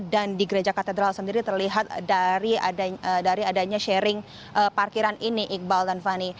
dan di gereja katedral sendiri terlihat dari adanya sharing parkiran ini iqbal dan fani